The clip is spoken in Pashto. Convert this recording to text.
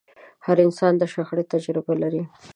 هر انسان د شخړې تجربه لري.